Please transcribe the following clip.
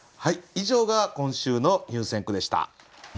以上が今週の入選句でした。